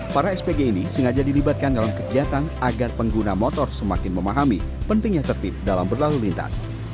para spg ini sengaja dilibatkan dalam kegiatan agar pengguna motor semakin memahami pentingnya tertib dalam berlalu lintas